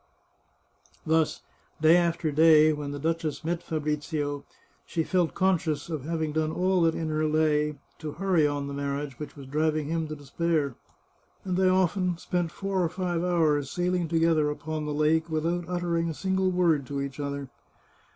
Thus, day after day, when the duchess met Fabrizio, she felt conscious of having done all that in her lay 429 The Chartreuse of Parma to hurry on the marriage which was driving him to despair, and they often spent four or five hours saihng together upon the lake, without uttering a single word to each other.